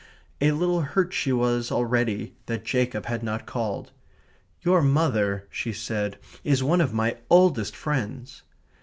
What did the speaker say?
A little hurt she was already that Jacob had not called. "Your mother," she said, "is one of my oldest friends."